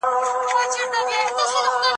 شهید سید قطب د مبارزې سمبول و.